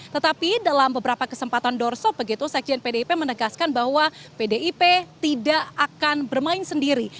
tetapi dalam beberapa kesempatan doorshop begitu sekjen pdip menegaskan bahwa pdip tidak akan bermain sendiri